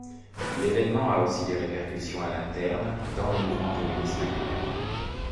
L'événement a aussi des répercussion à l'interne, dans le mouvement communiste lui-même.